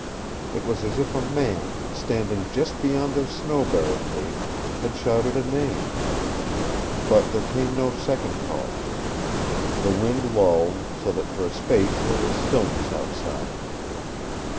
It was as if a man, standing just beyond their snow barricade, had shouted a name. But there came no second call. The wind lulled, so that for a space there was stillness outside.